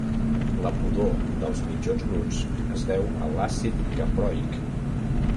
La pudor dels mitjons bruts es deu a l'àcid caproic.